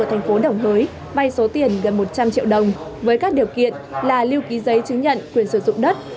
ở thành phố đồng hới vay số tiền gần một trăm linh triệu đồng với các điều kiện là lưu ký giấy chứng nhận quyền sử dụng đất